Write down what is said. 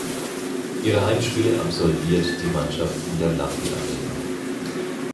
Ihre Heimspiele absolviert die Mannschaft in der Lappi-areena.